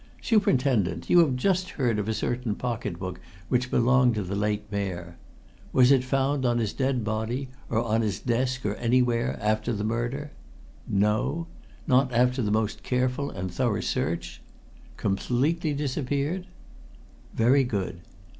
Superintendent, you have just heard of a certain pocket book which belonged to the late Mayor. Was it found on his dead body, or on his desk, or anywhere, after the murder? No? Not after the most careful and thorough search? Completely disappeared? Very good.